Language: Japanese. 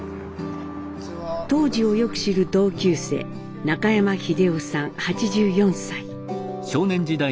当時をよく知る同級生中山秀男さん８４歳。